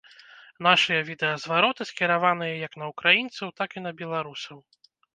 Нашыя відэазвароты скіраваныя як на украінцаў так і на беларусаў.